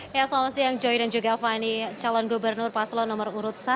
ya selamat siang joy dan juga fani calon gubernur paslon nomor urut satu